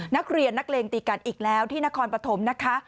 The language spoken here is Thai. นักเรียนนักเลงตีกันอีกแล้วที่นครปฐมนะคะ